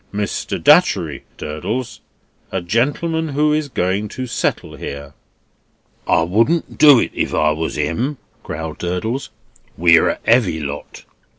Mr. Datchery, Durdles a gentleman who is going to settle here." "I wouldn't do it if I was him," growled Durdles. "We're a heavy lot."